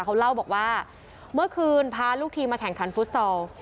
เขาเล่าบอกว่าเมื่อคืนพาลูกทีมมาแข่งขันฟุตซอล